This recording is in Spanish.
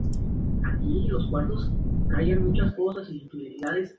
Cronología de obras